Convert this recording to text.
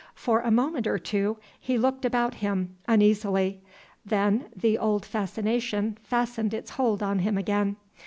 For a moment or two he looked about him uneasily. Then the old fascination fastened its hold on him again.